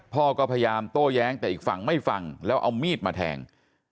พ่อก็พยายามโต้แย้งแต่อีกฝั่งไม่ฟังแล้วเอามีดมาแทง